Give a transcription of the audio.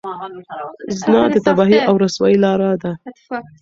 زنا د تباهۍ او رسوایۍ لاره ده.